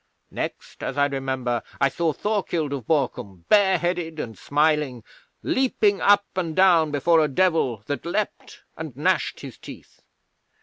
Next, as I remember, I saw Thorkild of Borkum, bare headed and smiling, leaping up and down before a Devil that leaped and gnashed his teeth.